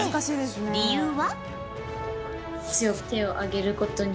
理由は？